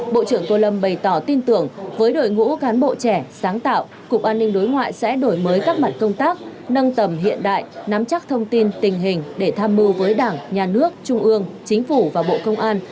bộ trưởng tô lâm bày tỏ tin tưởng với đội ngũ cán bộ trẻ sáng tạo cục an ninh đối ngoại sẽ đổi mới các mặt công tác nâng tầm hiện đại nắm chắc thông tin tình hình để tham mưu với đảng nhà nước trung ương chính phủ và bộ công an